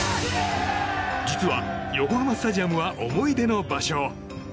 実は、横浜スタジアムは思い出の場所。